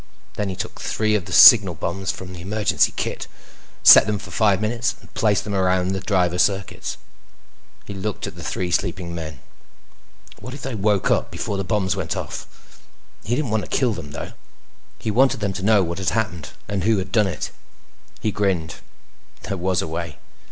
Then he took three of the signal bombs from the emergency kit, set them for five minutes, and placed them around the driver circuits. He looked at the three sleeping men. What if they woke up before the bombs went off? He didn't want to kill them though. He wanted them to know what had happened and who had done it. He grinned. There was a way.